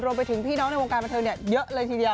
รวมไปถึงพี่น้องในวงการประเทศเยอะเลยทีเดียว